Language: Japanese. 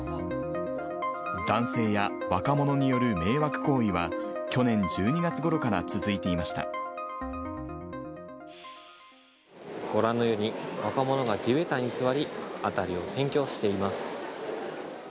男性や若者による迷惑行為は、去年１２月ごろから続いていましご覧のように、若者が地べたに座り、辺りを占拠しています。